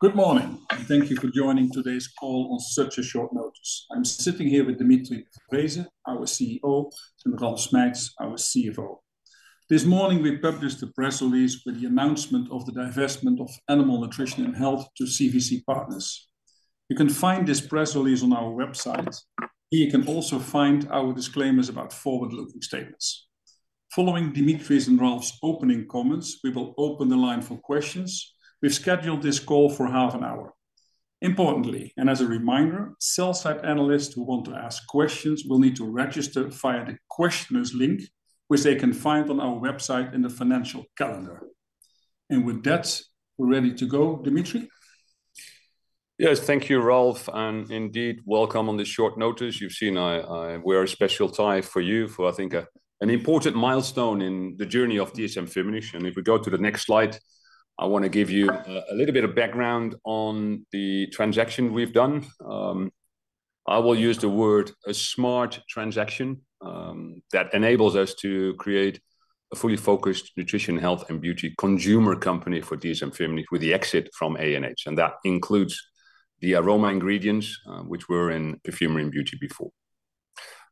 Good morning, and thank you for joining today's call on such a short notice. I'm sitting here with Dimitri de Vreeze, our CEO, and Ralf Schmeitz, our CFO. This morning, we published a press release with the announcement of the divestment of Animal Nutrition & Health to CVC Capital Partners. You can find this press release on our website. Here you can also find our disclaimers about forward-looking statements. Following Dimitri's and Ralf's opening comments, we will open the line for questions. We've scheduled this call for half an hour. Importantly, and as a reminder, sell-side analysts who want to ask questions will need to register via the questioner's link, which they can find on our website in the financial calendar. With that, we're ready to go. Dimitri? Yes, thank you, Ralf, and indeed, welcome on this short notice. You've seen, I wear a special tie for you, for I think an important milestone in the journey of dsm-firmenich. If we go to the next slide, I want to give you a little bit of background on the transaction we've done. I will use the word a smart transaction that enables us to create a fully focused nutrition, health, and beauty consumer company for dsm-firmenich, with the exit from ANH, and that includes the aroma ingredients, which were in Perfumery & Beauty before.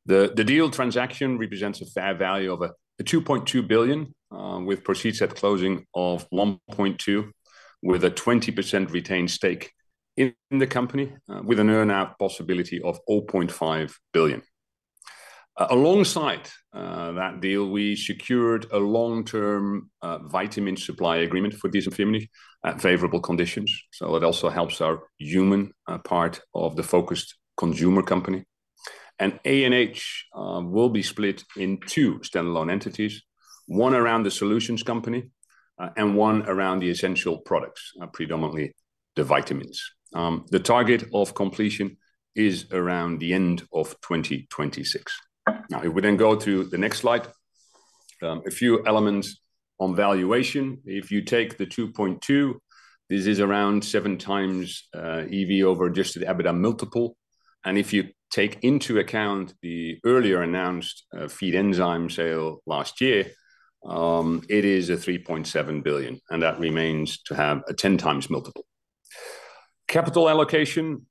The deal transaction represents a fair value of 2.2 billion, with proceeds at closing of 1.2 billion, with a 20% retained stake in the company, with an earn-out possibility of 0.5 billion. Alongside that deal, we secured a long-term vitamin supply agreement for dsm-firmenich at favorable conditions, so it also helps our human part of the focused consumer company. And ANH will be split in two standalone entities: one around the Solutions Company and one around the Essential Products, predominantly the vitamins. The target of completion is around the end of 2026. Now, if we then go to the next slide, a few elements on valuation. If you take the 2.2, this is around 7x EV over Adjusted EBITDA multiple. And if you take into account the earlier announced Feed Enzyme sale last year, it is a 3.7 billion, and that remains to have a 10x multiple. Capital allocation.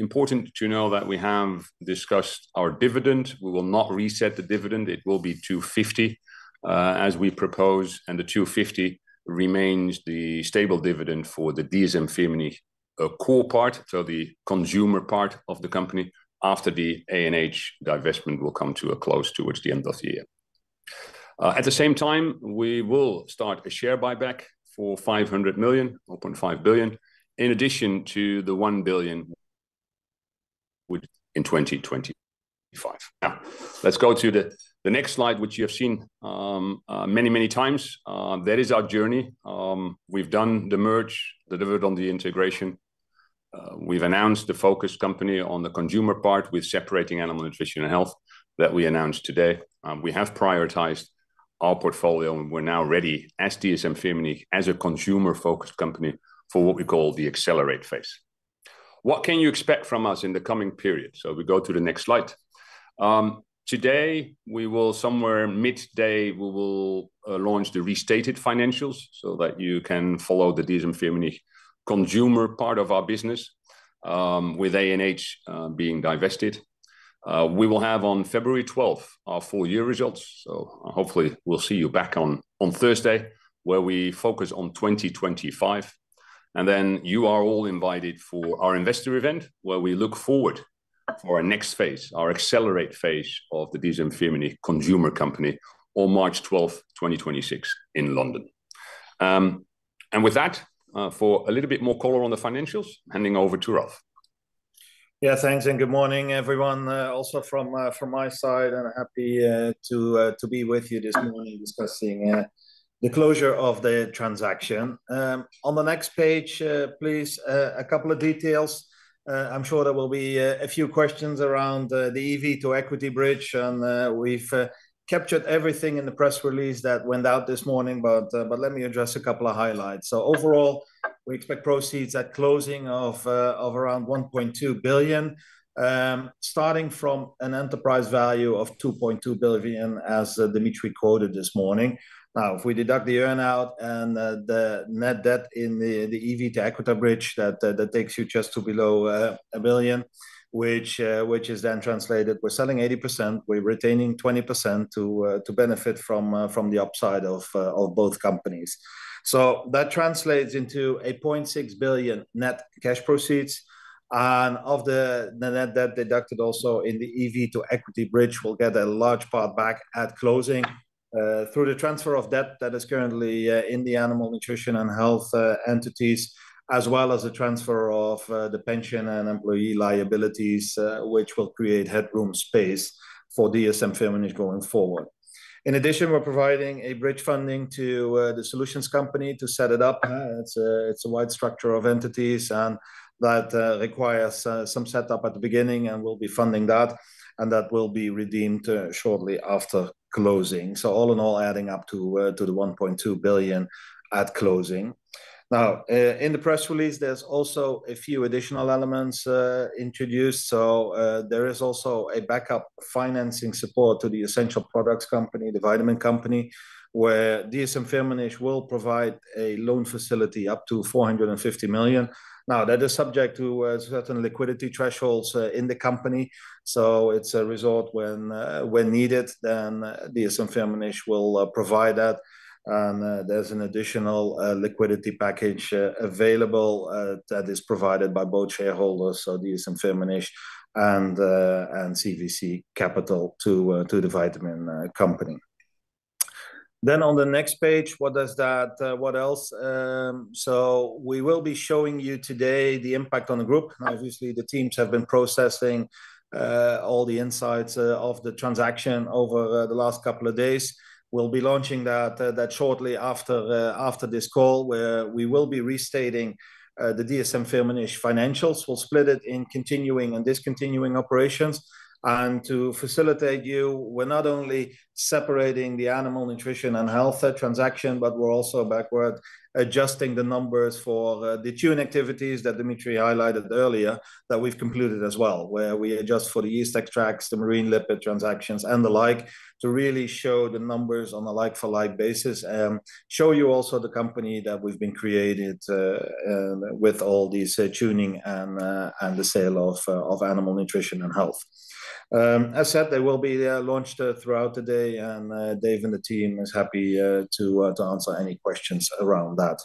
Important to know that we have discussed our dividend. We will not reset the dividend. It will be 2.50, as we propose, and the 2.50 remains the stable dividend for the dsm-firmenich core part, so the consumer part of the company, after the ANH divestment will come to a close towards the end of the year. At the same time, we will start a share buyback for 500 million, or 0.5 billion, in addition to the 1 billion within 2025. Now, let's go to the next slide, which you have seen many, many times. That is our journey. We've done the merge, delivered on the integration. We've announced the focus company on the consumer part, with separating Animal Nutrition & Health that we announced today. We have prioritized our portfolio, and we're now ready, as dsm-firmenich, as a consumer-focused company, for what we call the accelerate phase. What can you expect from us in the coming period? So we go to the next slide. Today, we will, somewhere mid-day, launch the restated financials so that you can follow the dsm-firmenich consumer part of our business, with ANH being divested. We will have on February 12th our full year results, so hopefully we'll see you back on, on Thursday, where we focus on 2025. And then you are all invited for our investor event, where we look forward for our next phase, our accelerate phase of the dsm-firmenich consumer company on March 12, 2026, in London. And with that, for a little bit more color on the financials, handing over to Ralf. Yeah, thanks, and good morning, everyone, also from my side. Happy to be with you this morning discussing the closure of the transaction. On the next page, please, a couple of details. I'm sure there will be a few questions around the EV to equity bridge, and we've captured everything in the press release that went out this morning, but let me address a couple of highlights. Overall, we expect proceeds at closing of around 1.2 billion, starting from an enterprise value of 2.2 billion, as Dimitri quoted this morning. Now, if we deduct the earn-out and, the net debt in the, the EV to equity bridge, that, that takes you just to below, a billion, which, which is then translated. We're selling 80%. We're retaining 20% to, to benefit from, from the upside of, of both companies. So that translates into 0.6 billion net cash proceeds, and of the net debt deducted also in the EV to equity bridge, we'll get a large part back at closing, through the transfer of debt that is currently, in the Animal Nutrition and Health, entities, as well as the transfer of, the pension and employee liabilities, which will create headroom space for dsm-firmenich going forward. In addition, we're providing a bridge funding to, the Solutions Company to set it up. It's a wide structure of entities, and that requires some setup at the beginning, and we'll be funding that, and that will be redeemed shortly after closing. So all in all, adding up to 1.2 billion at closing. Now, in the press release, there's also a few additional elements introduced. So, there is also a backup financing support to the Essential Products company, the vitamin company, where dsm-firmenich will provide a loan facility up to 450 million. Now, that is subject to certain liquidity thresholds in the company, so it's a resort when needed, then dsm-firmenich will provide that. There's an additional liquidity package available that is provided by both shareholders, so dsm-firmenich and CVC Capital to the vitamin company. Then on the next page, what else? So we will be showing you today the impact on the group. Obviously, the teams have been processing all the insights of the transaction over the last couple of days. We'll be launching that shortly after this call, where we will be restating the dsm-firmenich financials. We'll split it in continuing and discontinuing operations, and to facilitate you, we're not only separating the Animal Nutrition and Health transaction, but we're also backward adjusting the numbers for the tuning activities that Dimitri highlighted earlier, that we've concluded as well, where we adjust for the Yeast Extracts, the Marine Lipids transactions, and the like, to really show the numbers on a like-for-like basis. Show you also the company that we've been created with all these tuning and the sale of Animal Nutrition and Health. As said, they will be launched throughout the day, and Dave and the team is happy to answer any questions around that.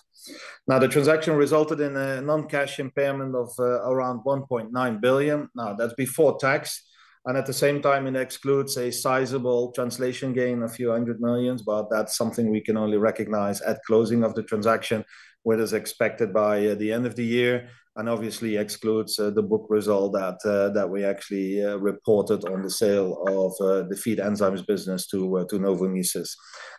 Now, the transaction resulted in a non-cash impairment of around 1.9 billion. Now, that's before tax, and at the same time, it excludes a sizable translation gain of EUR a few hundred million, but that's something we can only recognize at closing of the transaction, where it is expected by the end of the year, and obviously excludes the book result that we actually reported on the sale of the Feed Enzymes business to Novonesis.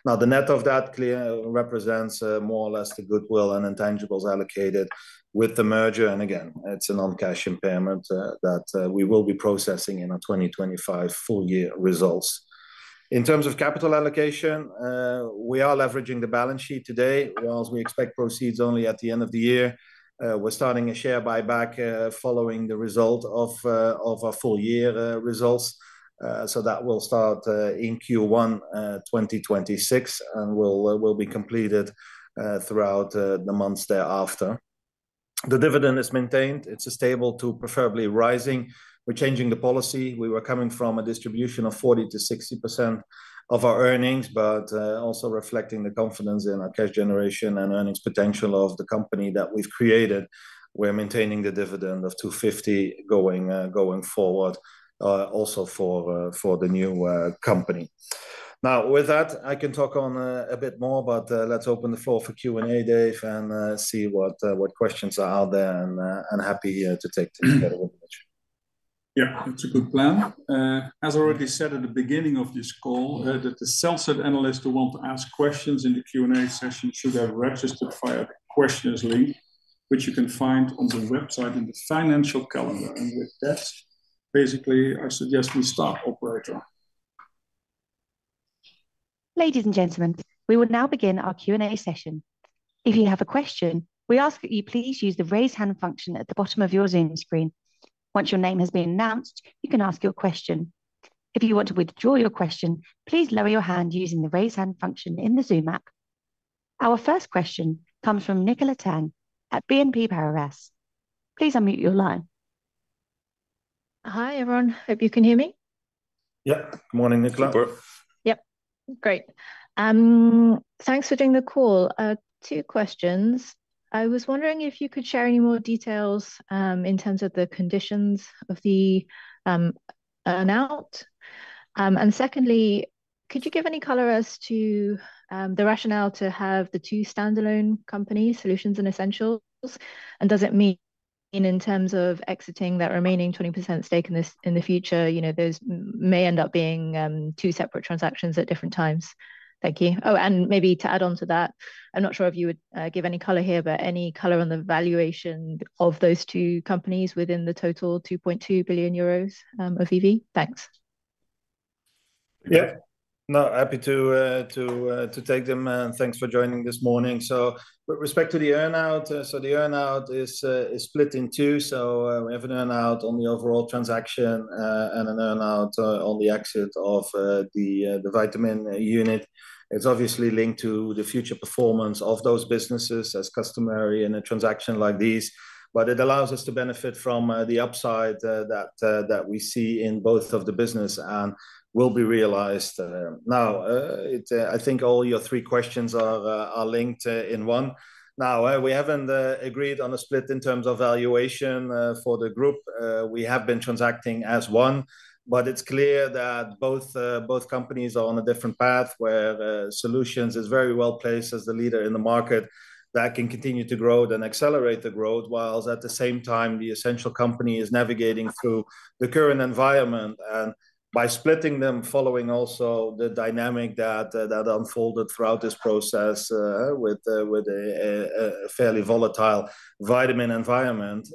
Now, the net of that clearly represents more or less the goodwill and intangibles allocated with the merger, and again, it's a non-cash impairment that we will be processing in our 2025 full year results. In terms of capital allocation, we are leveraging the balance sheet today, whereas we expect proceeds only at the end of the year. We're starting a share buyback following the result of our full year results. So that will start in Q1 2026, and will be completed throughout the months thereafter. The dividend is maintained. It's stable to preferably rising. We're changing the policy. We were coming from a distribution of 40%-60% of our earnings, but also reflecting the confidence in our cash generation and earnings potential of the company that we've created, we're maintaining the dividend of 2.50 going forward, also for the new company. Now, with that, I can talk on a bit more, but let's open the floor for Q&A, Dave, and see what questions are out there, and happy here to take together with Dimitri. Yeah, that's a good plan. As I already said at the beginning of this call, that the sell-side analyst who want to ask questions in the Q&A session should have registered via Questions link, which you can find on the website in the financial calendar. With that, basically, I suggest we start, operator. Ladies and gentlemen, we will now begin our Q&A session. If you have a question, we ask that you please use the Raise Hand function at the bottom of your Zoom screen. Once your name has been announced, you can ask your question. If you want to withdraw your question, please lower your hand using the Raise Hand function in the Zoom app. Our first question comes from Nicola Tang at BNP Paribas. Please unmute your line. Hi, everyone. Hope you can hear me. Yep. Morning, Nicola. Yep. Great. Thanks for doing the call. Two questions. I was wondering if you could share any more details, in terms of the conditions of the, earn-out? And secondly, could you give any color as to, the rationale to have the two standalone companies, Solutions and Essentials, and does it mean in terms of exiting that remaining 20% stake in this-- in the future, you know, those may end up being, two separate transactions at different times? Thank you. Oh, and maybe to add on to that, I'm not sure if you would, give any color here, but any color on the valuation of those two companies within the total 2.2 billion euros of EV? Thanks. Yep. No, happy to take them, and thanks for joining this morning. So with respect to the earn-out, so the earn-out is split in two. So, we have an earn-out on the overall transaction, and an earn-out on the exit of the vitamin unit. It's obviously linked to the future performance of those businesses, as customary in a transaction like this. But it allows us to benefit from the upside that we see in both of the business and will be realized. Now, it... I think all your three questions are linked in one. Now, we haven't agreed on a split in terms of valuation for the group. We have been transacting as one, but it's clear that both, both companies are on a different path, where the Solutions is very well-placed as the leader in the market. That can continue to grow and accelerate the growth, while at the same time, the Essential company is navigating through the current environment. By splitting them, following also the dynamic that, that unfolded throughout this process, with a fairly volatile vitamin environment,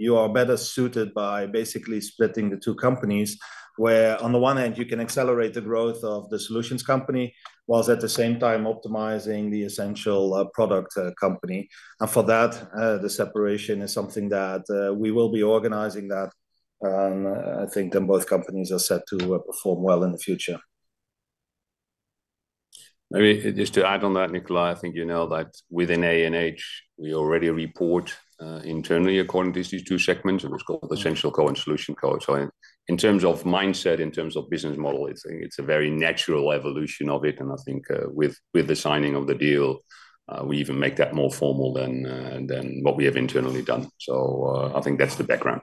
you are better suited by basically splitting the two companies, where on the one hand, you can accelerate the growth of the Solutions company, while at the same time optimizing the Essential Products company. For that, the separation is something that we will be organizing, and I think then both companies are set to perform well in the future. Maybe just to add on that, Nicola, I think you know that within ANH, we already report internally according to these two segments, and it's called Essential Co and Solutions Co. So in terms of mindset, in terms of business model, I think it's a very natural evolution of it, and I think, with, with the signing of the deal, we even make that more formal than, than what we have internally done. So, I think that's the background.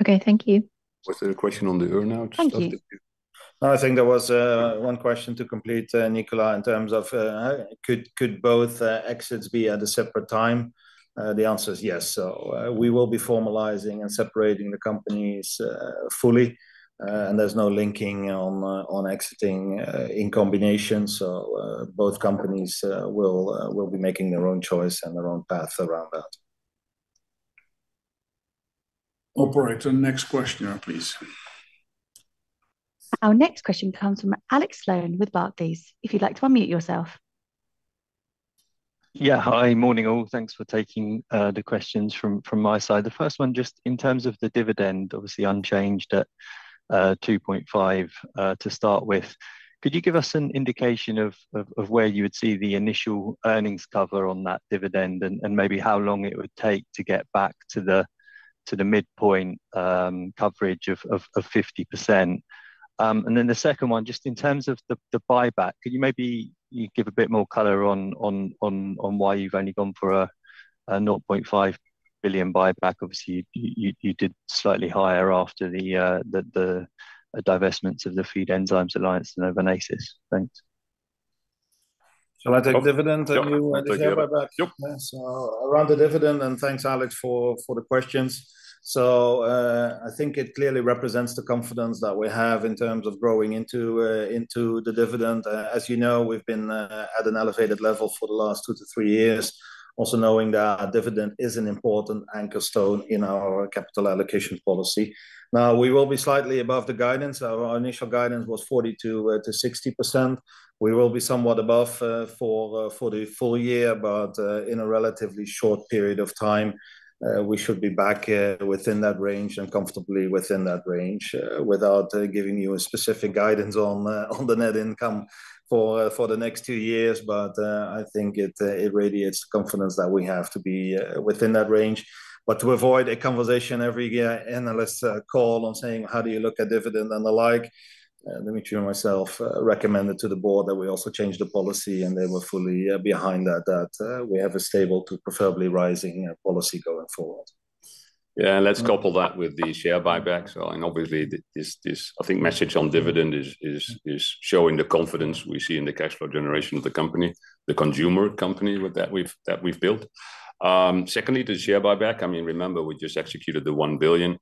Okay, thank you. Was there a question on the earn-out? Thank you. No, I think there was one question to complete, Nicola, in terms of could both exits be at a separate time? The answer is yes. So, we will be formalizing and separating the companies fully, and there's no linking on exiting in combination. So, both companies will be making their own choice and their own path around that. Operator, next question, please. Our next question comes from Alex Sloane with Barclays. If you'd like to unmute yourself. Yeah. Hi. Morning, all. Thanks for taking the questions from my side. The first one, just in terms of the dividend, obviously unchanged at 2.5 to start with. Could you give us an indication of where you would see the initial earnings cover on that dividend, and maybe how long it would take to get back to the midpoint coverage of 50%? And then the second one, just in terms of the buyback, could you maybe give a bit more color on why you've only gone for a 0.5 billion buyback? Obviously, you did slightly higher after the divestments of the Feed Enzymes alliance and Avansya. Thanks. Shall I take dividend- Yeah and you buyback? Yep. Yes. So around the dividend, and thanks, Alex, for the questions. So, I think it clearly represents the confidence that we have in terms of growing into the dividend. As you know, we've been at an elevated level for the last 2-3 years, also knowing that a dividend is an important anchor stone in our capital allocation policy. Now, we will be slightly above the guidance. Our initial guidance was 42%-60%. We will be somewhat above for the full year, but in a relatively short period of time, we should be back within that range and comfortably within that range, without giving you a specific guidance on the net income for the next 2 years. But, I think it radiates the confidence that we have to be within that range. But to avoid a conversation every year, analysts call on saying, "How do you look at dividend and the like?" Let me ensure myself, recommend it to the board that we also change the policy, and they were fully behind that, that we have a stable to preferably rising policy going forward. Yeah, let's couple that with the share buyback. And obviously, this, I think, message on dividend is showing the confidence we see in the cash flow generation of the company, the consumer company that we've built. Secondly, the share buyback, I mean, remember, we just executed 1 billion.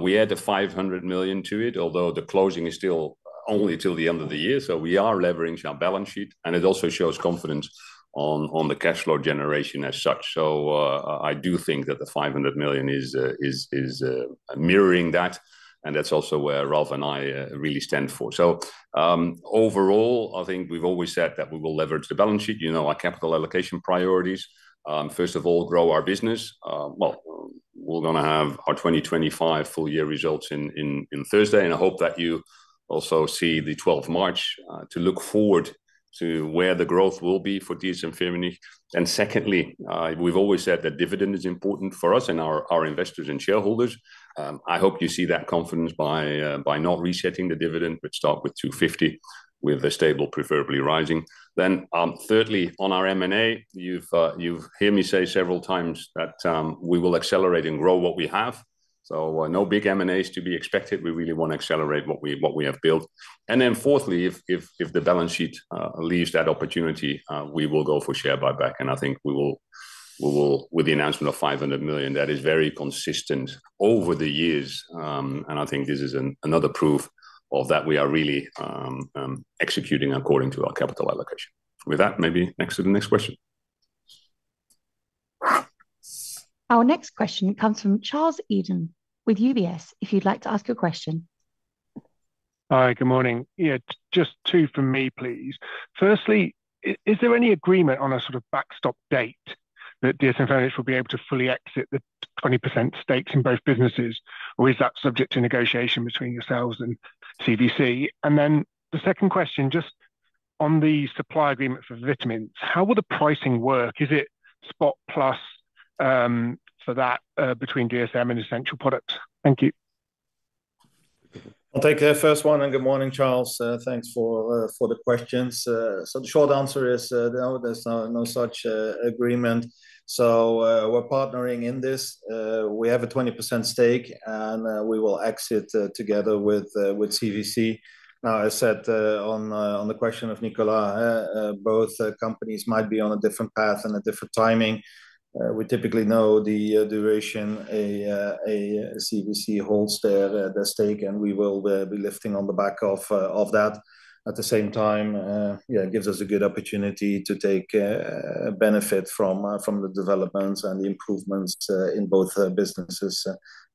We add 500 million to it, although the closing is still only till the end of the year. So we are levering our balance sheet, and it also shows confidence on the cash flow generation as such. So, I do think that 500 million is mirroring that, and that's also where Ralf and I really stand for. So, overall, I think we've always said that we will leverage the balance sheet, you know, our capital allocation priorities. First of all, grow our business. Well, we're gonna have our 2025 full year results in Thursday, and I hope that you also see the 12th March to look forward to where the growth will be for dsm-firmenich. Secondly, we've always said that dividend is important for us and our investors and shareholders. I hope you see that confidence by not resetting the dividend, which start with 2.50, with a stable, preferably rising. Thirdly, on our M&A, you've hear me say several times that we will accelerate and grow what we have, so no big M&As to be expected. We really want to accelerate what we have built. Then fourthly, if the balance sheet leaves that opportunity, we will go for share buyback, and I think we will with the announcement of 500 million, that is very consistent over the years. And I think this is another proof of that. We are really executing according to our capital allocation. With that, maybe next to the next question. Our next question comes from Charles Eden with UBS, if you'd like to ask your question. Hi, good morning. Yeah, just two from me, please. Firstly, is there any agreement on a sort of backstop date that dsm-firmenich will be able to fully exit the 20% stakes in both businesses, or is that subject to negotiation between yourselves and CVC? And then the second question, just on the supply agreement for vitamins, how will the pricing work? Is it cost plus, for that, between dsm and Essential Co? Thank you. I'll take the first one, and good morning, Charles. Thanks for the questions. So the short answer is, no, there's no such agreement. So, we're partnering in this. We have a 20% stake, and we will exit together with CVC. Now, I said, on the question of Nicola, both companies might be on a different path and a different timing. We typically know the duration a CVC holds their stake, and we will be lifting on the back of that. At the same time, yeah, it gives us a good opportunity to take benefit from the developments and the improvements in both businesses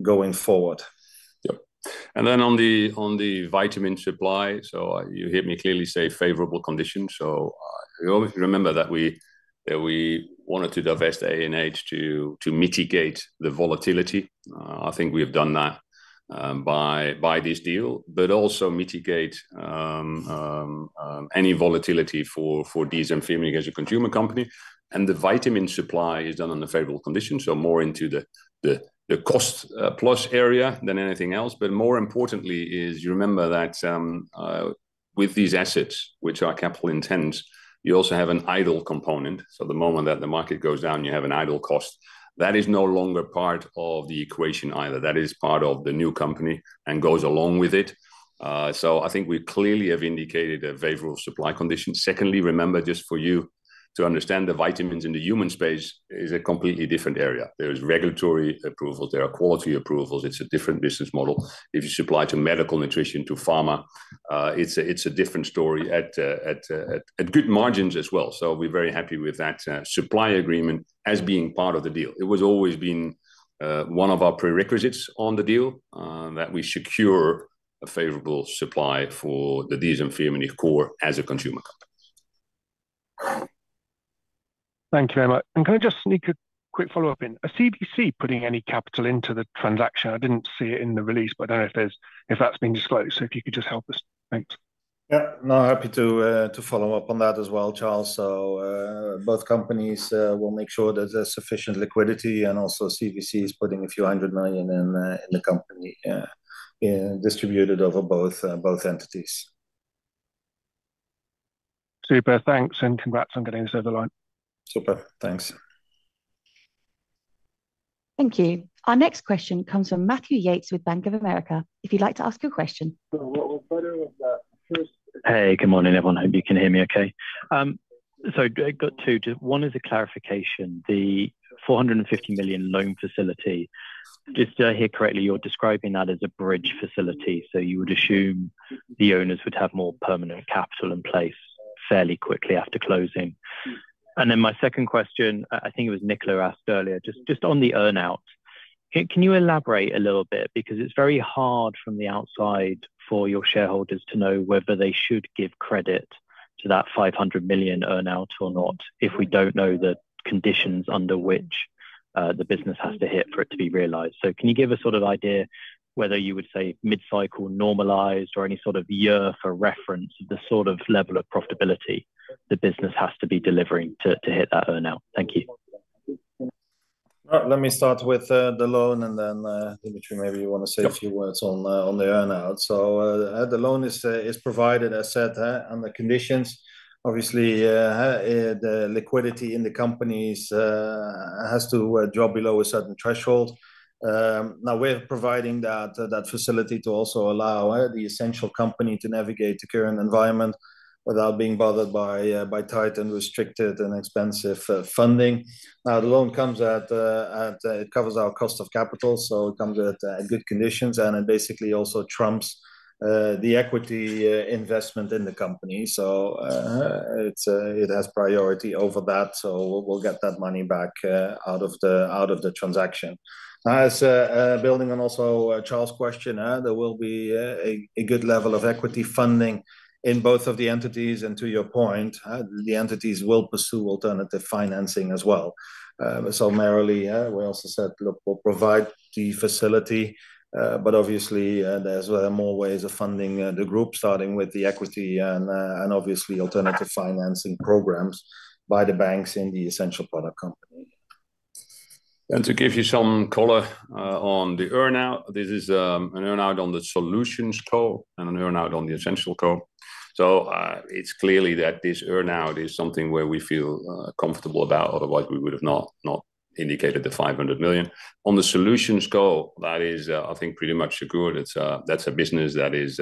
going forward. Yep. And then on the vitamin supply, so you heard me clearly say favorable conditions. So you obviously remember that we wanted to divest A&H to mitigate the volatility. I think we have done that by this deal, but also mitigate any volatility for DSM and Firmenich as a consumer company. And the vitamin supply is done on the favorable conditions, so more into the cost plus area than anything else. But more importantly, you remember that with these assets, which are capital intensive, you also have an idle component. So the moment that the market goes down, you have an idle cost. That is no longer part of the equation either. That is part of the new company and goes along with it. So I think we clearly have indicated a favorable supply condition. Secondly, remember, just for you to understand, the vitamins in the human space is a completely different area. There is regulatory approvals, there are quality approvals. It's a different business model. If you supply to Medical Nutrition, to Pharma, it's a, it's a different story at, at, at, at good margins as well. So we're very happy with that, supply agreement as being part of the deal. It was always been, one of our prerequisites on the deal, that we secure a favorable supply for the dsm-firmenich core as a consumer company. Thank you very much. And can I just sneak a quick follow-up in? Are CVC putting any capital into the transaction? I didn't see it in the release, but I don't know if that's been disclosed. So if you could just help us. Thanks. Yeah. No, happy to, to follow up on that as well, Charles. So, both companies will make sure there's sufficient liquidity, and also CVC is putting a few hundred million EUR in, in the company, distributed over both, both entities. Super. Thanks, and congrats on getting this over the line. Super. Thanks. Thank you. Our next question comes from Matthew Yates with Bank of America. If you'd like to ask your question. Hey, good morning, everyone. Hope you can hear me okay. So I got two. Just one is a clarification. The 450 million loan facility, just to hear correctly, you're describing that as a bridge facility, so you would assume the owners would have more permanent capital in place fairly quickly after closing? And then my second question, I think it was Nicola asked earlier, just on the earn-out, can you elaborate a little bit? Because it's very hard from the outside for your shareholders to know whether they should give credit to that 500 million earn-out or not, if we don't know the conditions under which the business has to hit for it to be realized. Can you give a sort of idea whether you would say mid-cycle normalized or any sort of year for reference, the sort of level of profitability the business has to be delivering to, to hit that earn-out? Thank you. Let me start with the loan and then, Dimitri, maybe you want to say a few words- Sure on the earn-out. So, the loan is provided, as said, on the conditions. Obviously, the liquidity in the companies has to drop below a certain threshold. Now, we're providing that facility to also allow the Essential company to navigate the current environment without being bothered by tight and restricted and expensive funding. Now, the loan comes at -- it covers our cost of capital, so it comes at good conditions, and it basically also trumps the equity investment in the company. So, it has priority over that, so we'll get that money back out of the transaction. As building on also Charles' question, there will be a good level of equity funding in both of the entities. And to your point, the entities will pursue alternative financing as well. So merely, we also said, "Look, we'll provide the facility," but obviously, there's more ways of funding the group, starting with the equity and obviously, alternative financing programs by the banks in the Essential Co. And to give you some color on the earn-out, this is an earn-out on the Solutions Co and an earn-out on the Essential Co. So, it's clearly that this earn-out is something where we feel comfortable about, otherwise we would have not, not indicated the 500 million. On the Solutions Co, that is, I think, pretty much secured. It's, that's a business that is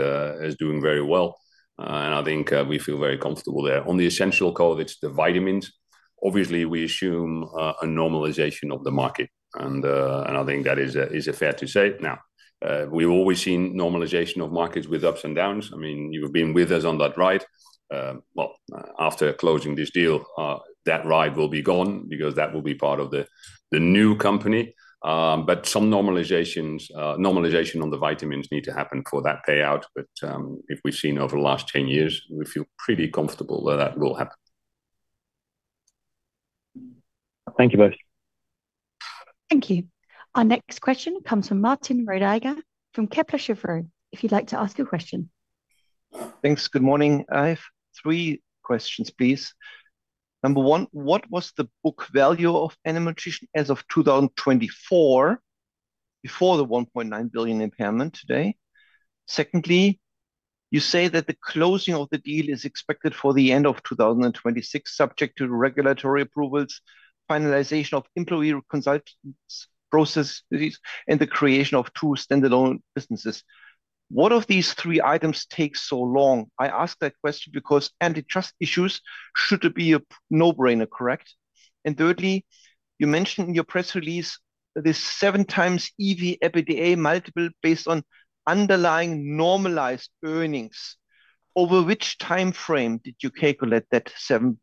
doing very well, and I think, we feel very comfortable there. On the Essential Co, it's the vitamins. Obviously, we assume a normalization of the market, and, and I think that is fair to say. Now, we've always seen normalization of markets with ups and downs. I mean, you've been with us on that ride. Well, after closing this deal, that ride will be gone because that will be part of the, the new company. But some normalizations, normalization on the vitamins need to happen for that payout, but, if we've seen over the last 10 years, we feel pretty comfortable that that will happen. Thank you both. Thank you. Our next question comes from Martin Roediger from Kepler Cheuvreux, if you'd like to ask your question. Thanks. Good morning. I have three questions, please. Number one, what was the book value of Animal Nutrition as of 2024, before the 1.9 billion impairment today? Secondly, you say that the closing of the deal is expected for the end of 2026, subject to regulatory approvals, finalization of employee consultants, process, and the creation of two standalone businesses. What of these three items takes so long? I ask that question because antitrust issues should be a no-brainer, correct? Thirdly, you mentioned in your press release that this 7x EV EBITDA multiple based on underlying normalized earnings. Over which time frame did you calculate that 7x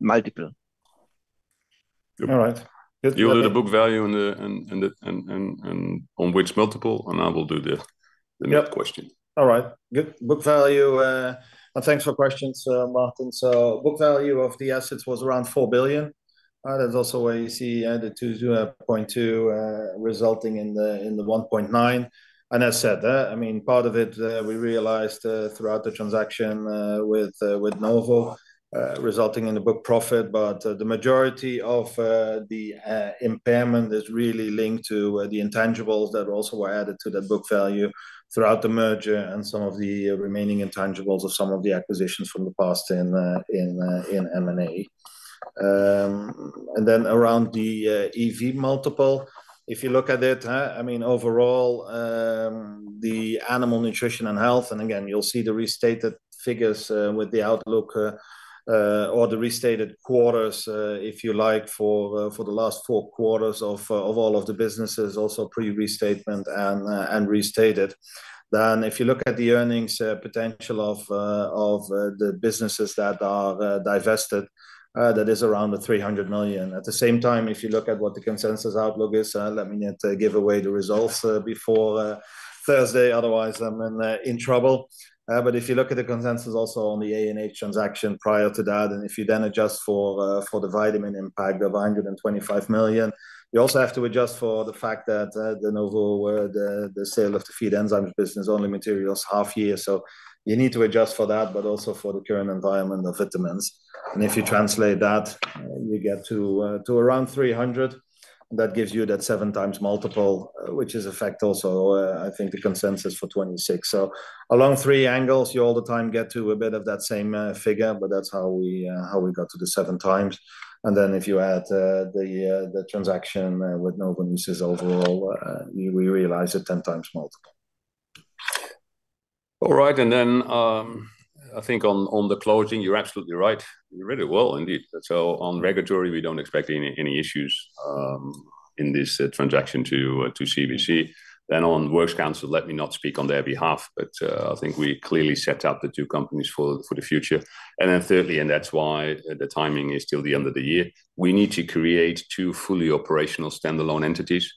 multiple? All right. You will do the book value and the on which multiple, and I will do the next question. Yep. All right. Good. Book value—and thanks for questions, Martin. So book value of the assets was around 4 billion. That's also where you see the 2.02 resulting in the 1.9. And as said, I mean, part of it we realized throughout the transaction with Novo resulting in the book profit. But the majority of the impairment is really linked to the intangibles that also were added to the book value throughout the merger, and some of the remaining intangibles of some of the acquisitions from the past in M&A. And then around the EV multiple, if you look at it, I mean, overall, the Animal Nutrition & Health, and again, you'll see the restated figures with the outlook or the restated quarters, if you like, for the last four quarters of all of the businesses, also pre-restatement and restated. Then if you look at the earnings potential of the businesses that are divested, that is around the 300 million. At the same time, if you look at what the consensus outlook is, let me not give away the results before Thursday, otherwise I'm in trouble. But if you look at the consensus also on the ANH transaction prior to that, and if you then adjust for, for the vitamin impact of 125 million, you also have to adjust for the fact that, the Novonesis, the, the sale of the Feed Enzymes business, only materializes half year. So you need to adjust for that, but also for the current environment of vitamins. And if you translate that, you get to, to around 300. That gives you that 7x multiple, which is a fact also, I think the consensus for 2026. So along three angles, you all the time get to a bit of that same, figure, but that's how we, how we got to the 7x. Then if you add the transaction with Novo overall, we realize a 10x multiple. All right. And then, I think on the closing, you're absolutely right. You're really well indeed. So on regulatory, we don't expect any issues in this transaction to CVC. Then on works council, let me not speak on their behalf, but I think we clearly set out the two companies for the future. And then thirdly, and that's why the timing is till the end of the year, we need to create two fully operational standalone entities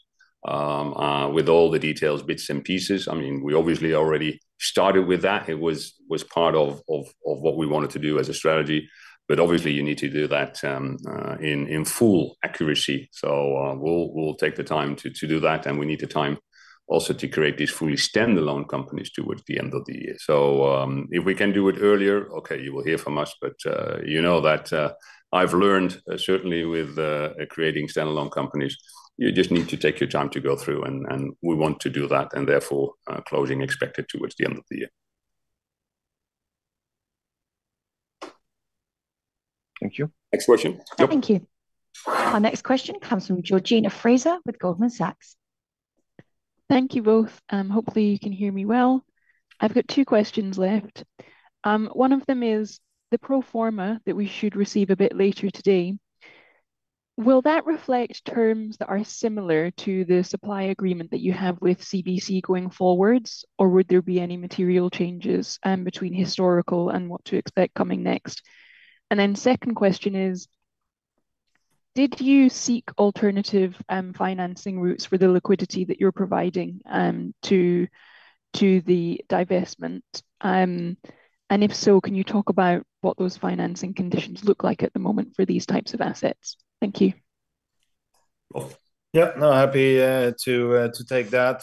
with all the details, bits, and pieces. I mean, we obviously already started with that. It was part of what we wanted to do as a strategy, but obviously, you need to do that in full accuracy. So, we'll take the time to do that, and we need the time also to create these fully standalone companies towards the end of the year. So, if we can do it earlier, okay, you will hear from us, but you know that I've learned, certainly with creating standalone companies, you just need to take your time to go through, and we want to do that, and therefore, closing expected towards the end of the year. Thank you. Next question. Thank you. Our next question comes from Georgina Fraser with Goldman Sachs. Thank you both. Hopefully, you can hear me well. I've got two questions left. One of them is the pro forma that we should receive a bit later today, will that reflect terms that are similar to the supply agreement that you have with CVC going forwards, or would there be any material changes between historical and what to expect coming next? And then second question is: Did you seek alternative financing routes for the liquidity that you're providing to the divestment? And if so, can you talk about what those financing conditions look like at the moment for these types of assets? Thank you. Yeah. No, happy to take that.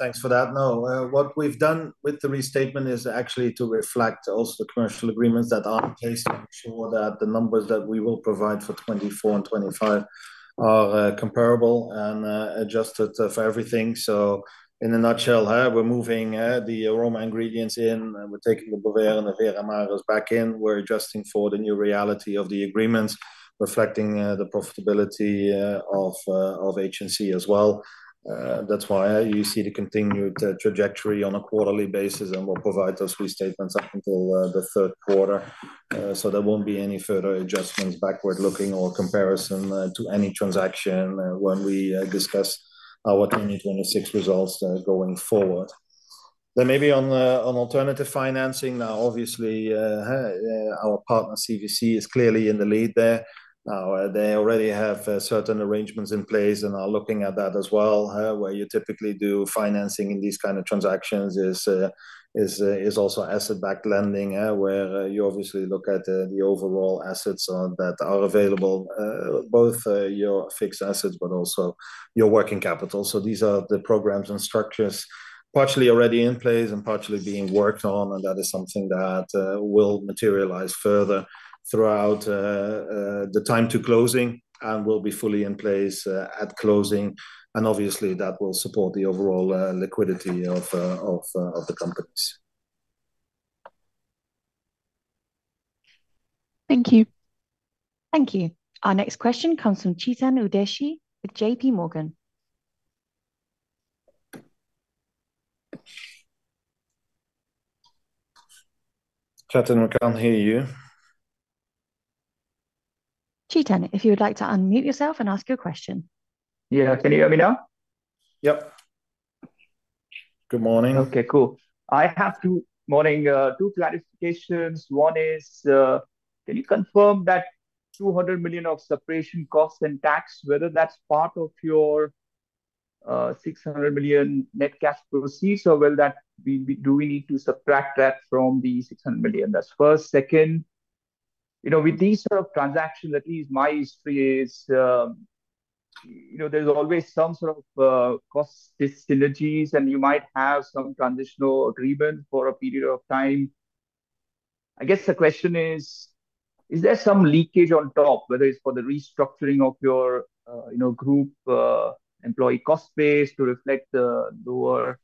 Thanks for that. No, what we've done with the restatement is actually to reflect also the commercial agreements that are in place to ensure that the numbers that we will provide for 2024 and 2025 are comparable and adjusted for everything. So in a nutshell, we're moving the aroma ingredients in, and we're taking the Bovaer and the Veramaris back in. We're adjusting for the new reality of the agreements, reflecting the profitability of HNC as well. That's why you see the continued trajectory on a quarterly basis, and we'll provide those restatements up until the third quarter. So there won't be any further adjustments backward-looking or comparison to any transaction when we discuss our 2026 results going forward. Then maybe on the, on alternative financing, now, obviously, our partner, CVC, is clearly in the lead there. Now, they already have certain arrangements in place and are looking at that as well, where you typically do financing in these kind of transactions is also asset-backed lending, where you obviously look at the overall assets that are available, both your fixed assets, but also your working capital. So these are the programs and structures partially already in place and partially being worked on, and that is something that will materialize further throughout the time to closing and will be fully in place at closing. And obviously, that will support the overall liquidity of the companies. Thank you. Thank you. Our next question comes from Chetan Udeshi with JPMorgan. Chetan, we can't hear you. Chetan, if you would like to unmute yourself and ask your question. Yeah. Can you hear me now? Yep. Good morning. Okay, cool. I have two—morning, two clarifications. One is, can you confirm that 200 million of separation costs and tax, whether that's part of your, 600 million net cash proceeds, or will that be—do we need to subtract that from the 600 million? That's first. Second, you know, with these sort of transactions, at least my history is, you know, there's always some sort of, cost synergies, and you might have some transitional agreement for a period of time. I guess the question is: Is there some leakage on top, whether it's for the restructuring of your, you know, group, employee cost base to reflect the lower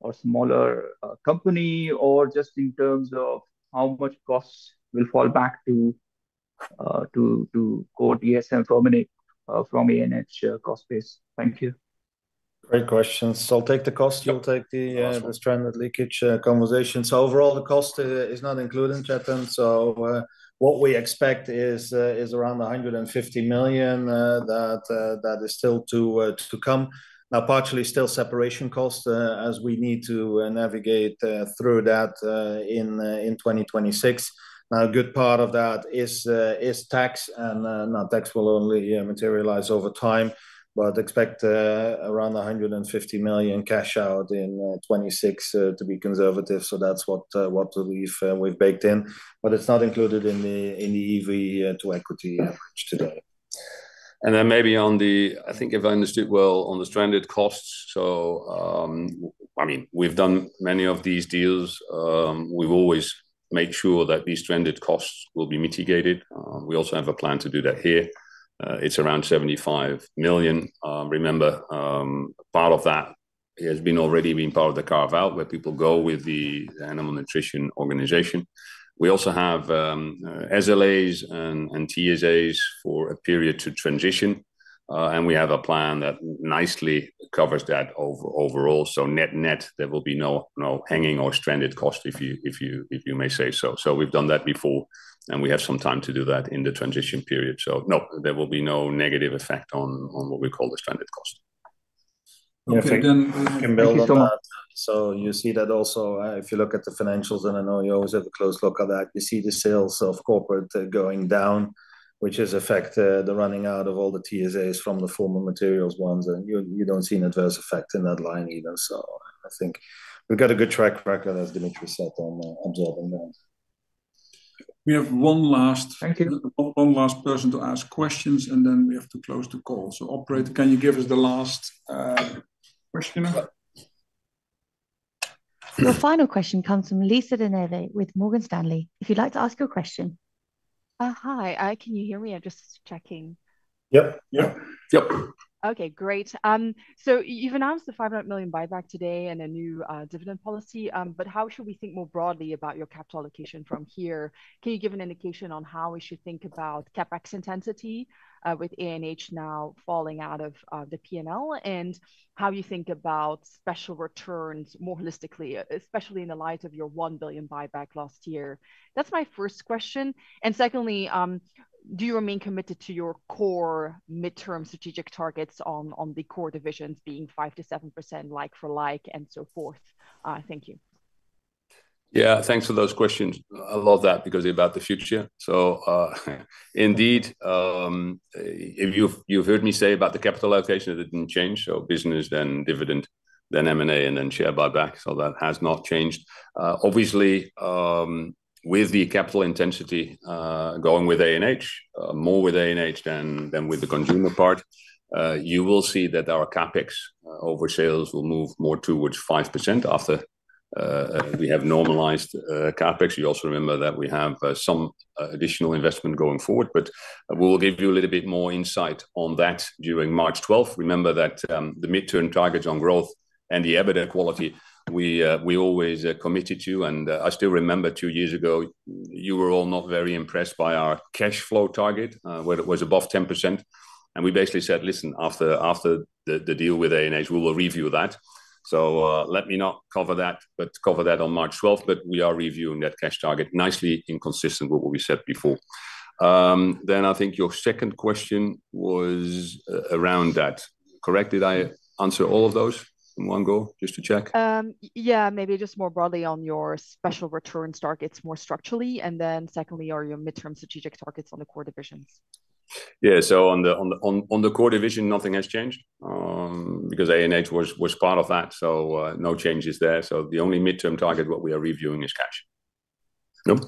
or smaller, company, or just in terms of how much costs will fall back to, to DSM from an, from ANH, cost base? Thank you. Great questions. So I'll take the cost- Yep. You'll take the- Awesome the stranded leakage conversation. So overall, the cost is not included, Chetan, so what we expect is around 150 million that is still to come. Now, partially still separation costs as we need to navigate through that in 2026. Now, a good part of that is tax, and now tax will only materialize over time. But expect around 150 million cash out in 2026 to be conservative. So that's what we've baked in, but it's not included in the EV to equity average today. And then maybe on the—I think if I understood well, on the stranded costs, so, I mean, we've done many of these deals. We've always made sure that these stranded costs will be mitigated. We also have a plan to do that here. It's around 75 million. Remember, part of that has already been part of the carve-out, where people go with the Animal Nutrition organization. We also have SLAs and TSAs for a period to transition, and we have a plan that nicely covers that overall. So net, net, there will be no, no hanging or stranded cost, if you, if you, if you may say so. So we've done that before, and we have some time to do that in the transition period. So no, there will be no negative effect on what we call the stranded costs. Okay, then- Thank you so much. So you see that also, if you look at the financials, and I know you always have a close look at that, you see the sales of corporate going down, which has affected the running out of all the TSAs from the former materials ones, and you don't see an adverse effect in that line either. So I think we've got a good track record, as Dimitri said, on observing that. We have one last- Thank you one last person to ask questions, and then we have to close the call. So operator, can you give us the last questioner? The final question comes from Lisa De Neve with Morgan Stanley. If you'd like to ask your question. Hi, can you hear me? I'm just checking. Yep. Yep. Yep. Okay, great. So you've announced the 500 million buyback today and a new dividend policy, but how should we think more broadly about your capital allocation from here? Can you give an indication on how we should think about CapEx intensity with ANH now falling out of the PNL? And how you think about special returns more holistically, especially in the light of your 1 billion buyback last year? That's my first question. And secondly, do you remain committed to your core midterm strategic targets on the core divisions being 5%-7%, like for like, and so forth? Thank you. Yeah, thanks for those questions. I love that, because they're about the future. So, indeed, if you've heard me say about the capital allocation, it didn't change. So business, then dividend, then M&A, and then share buyback, so that has not changed. Obviously, with the capital intensity, going with ANH, more with ANH than with the consumer part, you will see that our CapEx over sales will move more towards 5% after we have normalized CapEx. You also remember that we have some additional investment going forward, but we will give you a little bit more insight on that during March twelfth. Remember that, the midterm targets on growth and the EBITDA quality, we always are committed to. And, I still remember two years ago, you were all not very impressed by our cash flow target, where it was above 10%. And we basically said, "Listen, after, after the, the deal with ANH, we will review that." So, let me not cover that, but cover that on March twelfth. But we are reviewing that cash target, nicely in consistent with what we said before. Then I think your second question was around that. Correct? Did I answer all of those in one go, just to check? Yeah, maybe just more broadly on your special returns targets, more structurally, and then secondly, on your midterm strategic targets on the core divisions. Yeah. So on the core division, nothing has changed, because ANH was part of that, so no changes there. So the only midterm target what we are reviewing is cash. Yep.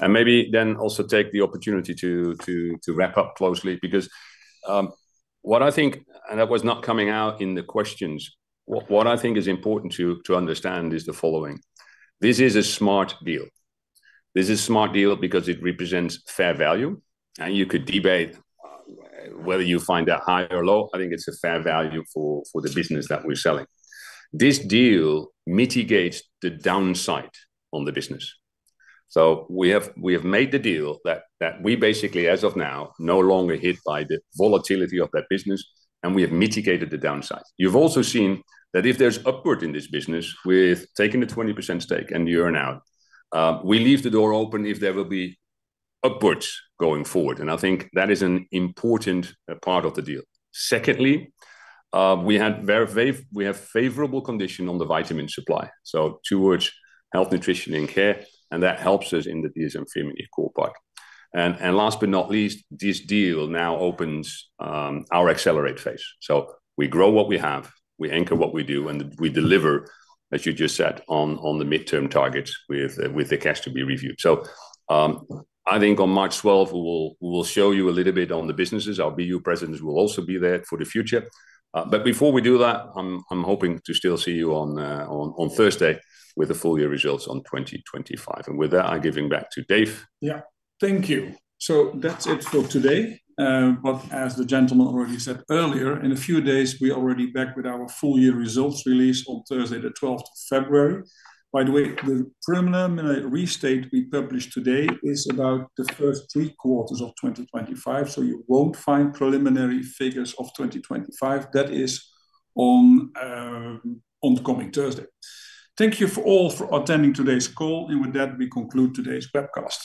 And maybe then also take the opportunity to wrap up closely, because what I think, and that was not coming out in the questions, what I think is important to understand is the following: This is a smart deal. This is a smart deal because it represents fair value, and you could debate whether you find that high or low. I think it's a fair value for the business that we're selling. This deal mitigates the downside on the business. So we have made the deal that we basically, as of now, no longer hit by the volatility of that business, and we have mitigated the downside. You've also seen that if there's upward in this business, with taking the 20% stake and the earn-out, we leave the door open if there will be upwards going forward, and I think that is an important part of the deal. Secondly, we have favorable condition on the vitamin supply, so towards Health, Nutrition and Care, and that helps us in the dsm-firmenich core part. And last but not least, this deal now opens our accelerate phase. So we grow what we have, we anchor what we do, and we deliver, as you just said, on the midterm targets, with the cash to be reviewed. So, I think on March twelfth, we will show you a little bit on the businesses. Our BU presidents will also be there for the future. But before we do that, I'm hoping to still see you on Thursday with the full year results on 2025. With that, I'm giving back to Dave. Yeah. Thank you. So that's it for today. But as the gentleman already said earlier, in a few days, we're already back with our full year results release on Thursday, the twelfth of February. By the way, the preliminary restated we published today is about the first three quarters of 2025, so you won't find preliminary figures of 2025. That is on coming Thursday. Thank you all for attending today's call, and with that, we conclude today's webcast.